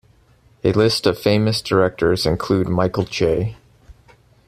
A list of famous directors includes Michael J.